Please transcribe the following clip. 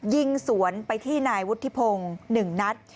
ยิงสวนไปที่นายวุฒิพงศ์๑นัด